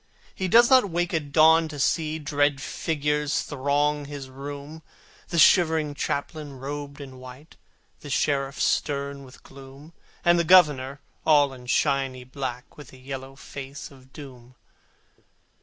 He does not wake at dawn to see Dread figures throng his room, The shivering Chaplain robed in white, The Sheriff stern with gloom, And the Governor all in shiny black, With the yellow face of Doom.